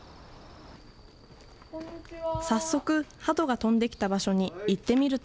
早速、ハトが飛んできた場所に行ってみると。